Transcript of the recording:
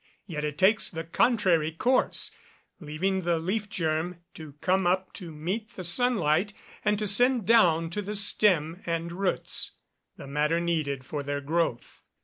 Yet it takes the contrary course, leaving the leaf germ to come up to meet the sun light, and to send down to the stem and roots, the matter needed for their growth.